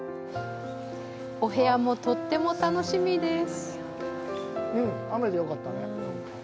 お部屋もとっても楽しみです！